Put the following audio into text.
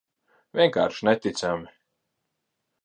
Vienkārši neticami.